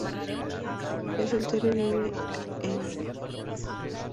Es soltero y vive en Biarritz.